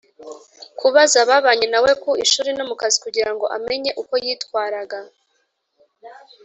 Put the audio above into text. kubaza ababanye na we ku ishuri no mu kazi kugira ngo amenye uko yitwaraga